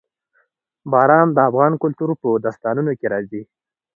باران د افغان کلتور په داستانونو کې راځي.